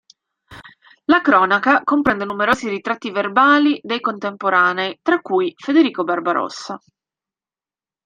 La cronaca comprende numerosi ritratti verbali dei contemporanei, tra cui Federico Barbarossa.